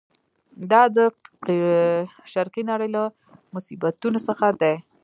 دا د شرقي نړۍ له مصیبتونو څخه دی.